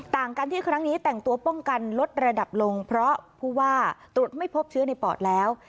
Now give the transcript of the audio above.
ต่างกันที่ครั้งนี้แต่งตัวป้องกันลดระดับลงเพราะผู้ว่าตรวจไม่พบเชื้อในปอดแล้ว